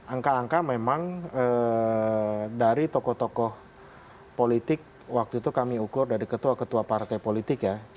angka angka memang dari tokoh tokoh politik waktu itu kami ukur dari ketua ketua partai politik ya